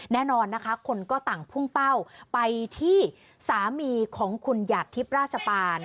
แน่นอนนะคะคนก็ต่างพุ่งเป้าไปที่สามีของคุณหยาดทิพย์ราชปาน